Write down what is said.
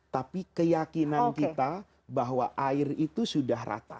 tapi keyakinan kita bahwa air itu sudah rata